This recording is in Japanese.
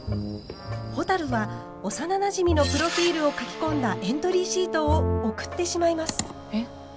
ほたるは幼なじみのプロフィールを書き込んだエントリーシートを送ってしまいます。